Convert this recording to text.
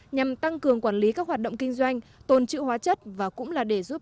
nhằm tăng cường quản lý các hoạt động kinh doanh tồn trữ hóa chất và cũng là để giúp